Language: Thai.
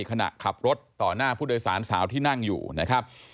ขณะขับรถต่อหน้าผู้โดยสารสาวที่นั่งอยู่นะครับ